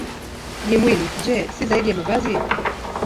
Na mwili, je, si zaidi ya mavazi?